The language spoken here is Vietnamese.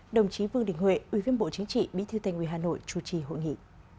đồng chí vương đình huệ ủy viên bộ chính trị bí thư thành ủy hà nội chủ trì hội nghị